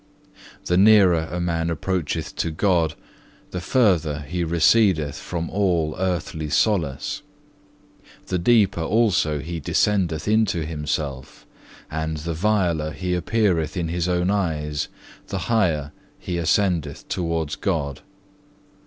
The nearer a man approacheth to God, the further he recedeth from all earthly solace. The deeper also he descendeth into himself, and the viler he appeareth in his own eyes, the higher he ascendeth towards God.